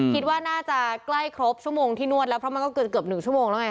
คิดว่าน่าจะใกล้ครบชั่วโมงที่นวดแล้วเพราะมันก็เกินเกือบ๑ชั่วโมงแล้วไง